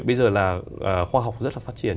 bây giờ là khoa học rất là phát triển